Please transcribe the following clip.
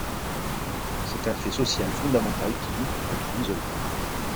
C’est un fait social fondamental qui lutte contre l’isolement.